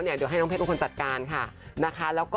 เดี๋ยวให้น้องเพชรเป็นคนจัดการค่ะนะคะ